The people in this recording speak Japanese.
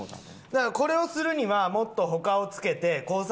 だからこれをするにはもっと他を付けてコース